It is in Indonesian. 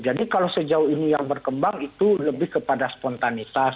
jadi kalau sejauh ini yang berkembang itu lebih kepada spontanitas